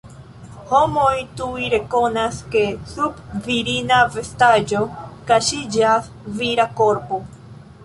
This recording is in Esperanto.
Homoj tuj rekonas, ke sub virina vestaĵo kaŝiĝas vira korpo.